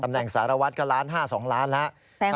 ตำแหน่งสารวัฒน์ก็๑๕๐๐๐๐๐ล้าน๒ล้านแล้ว